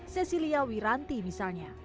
cecilia wiranti misalnya